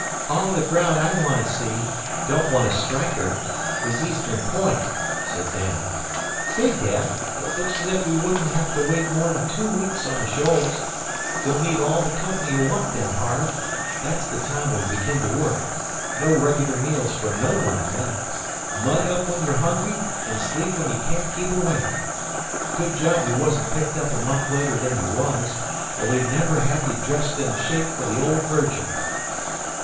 "All the graound I want to see don't want to strike her is Eastern Point," said Dan. "Say, Dad, it looks's if we wouldn't hev to lay more'n two weeks on the Shoals. You'll meet all the comp'ny you want then, Harve. That's the time we begin to work. No reg'lar meals fer no one then. 'Mug up when ye're hungry, an' sleep when ye can't keep awake. Good job you wasn't picked up a month later than you was, or we'd never ha' had you dressed in shape fer the Old Virgin."